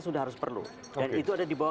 sudah harus perlu dan itu ada di bawah